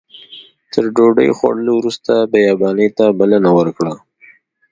تر ډوډۍ خوړلو وروسته بیاباني ته بلنه ورکړه.